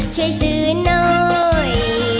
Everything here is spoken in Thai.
ช่วยซื้อหน่อย